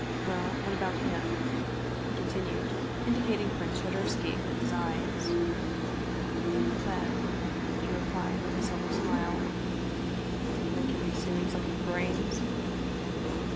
Well, what about him ?" he continued, indicating Prince Shadursky with his eyes. " In the web/' she replied, with a subtle smile. " Then we can soon suck his brains